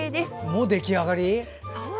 もう出来上がり？